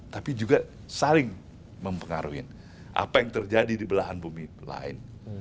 tapi juga saling mempengaruhi apa yang terjadi di belahan bumi lain